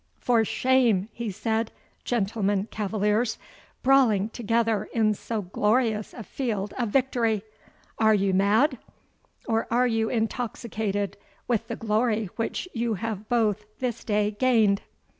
"For shame," he said, "gentlemen cavaliers, brawling together in so glorious a field of victory! Are you mad? Or are you intoxicated with the glory which you have both this day gained?"